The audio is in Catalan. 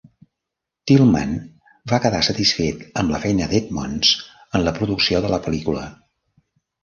Tillman va quedar satisfet amb la feina d'Edmonds en la producció de la pel·lícula.